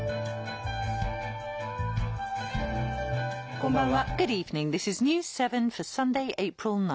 こんばんは。